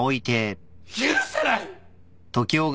許せない！